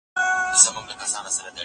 افراد د ټولنيز سيستم اساسي برخه ده.